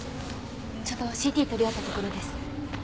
ちょうどＣＴ撮り終わったところです。